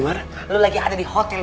masuk kuliah dulu